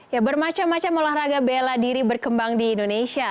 ya bermacam macam olahraga bela diri berkembang di indonesia